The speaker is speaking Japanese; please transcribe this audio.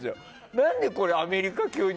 何でこれ、アメリカ急に。